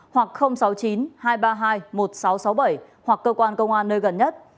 hoặc sáu mươi chín hai trăm ba mươi hai một nghìn sáu trăm sáu mươi bảy hoặc cơ quan công an nơi gần nhất